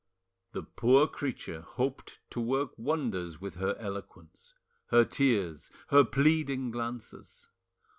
The poor creature hoped to work wonders with her eloquence, her tears, her pleading glances.